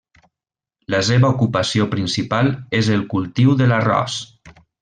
La seva ocupació principal és el cultiu de l'arròs.